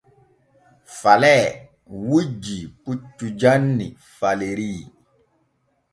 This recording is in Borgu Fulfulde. Falee wujjii puccu janni Faleri.